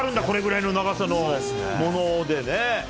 これぐらいの長さのものでね。